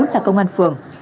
là công an phường